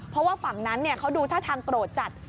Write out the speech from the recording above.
เพราะว่าฝั่งนั้นเขาดูท่าทางโกรธจัด